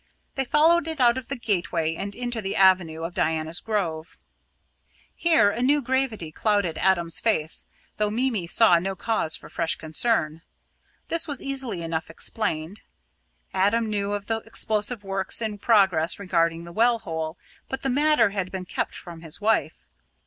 They followed it out of the gateway and into the avenue of Diana's Grove. Here a new gravity clouded Adam's face, though Mimi saw no cause for fresh concern. This was easily enough explained. Adam knew of the explosive works in progress regarding the well hole, but the matter had been kept from his wife.